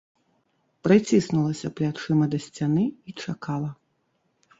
Прыціснулася плячыма да сцяны і чакала.